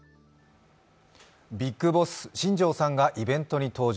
ビッグボス、新庄さんがイベントに登場。